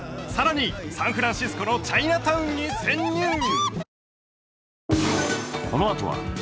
さらにサンフランシスコのチャイナタウンに潜入！